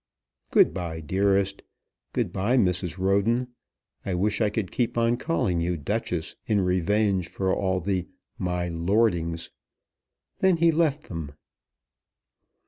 Good bye dearest. Good bye, Mrs. Roden. I wish I could keep on calling you Duchess in revenge for all the 'my lordings.'" Then he left them.